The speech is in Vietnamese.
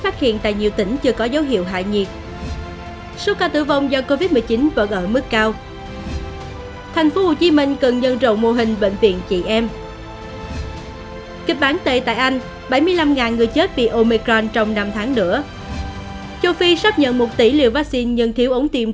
các bạn hãy đăng ký kênh để ủng hộ kênh của chúng mình nhé